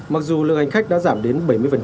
mặc dù lượng hành khách đã giảm đến bảy mươi